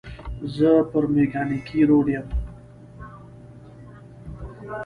زه پر مېکانګي روډ یم.